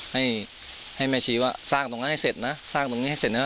ให้ให้แม่ชีว่าสร้างตรงนั้นให้เสร็จนะสร้างตรงนี้ให้เสร็จนะ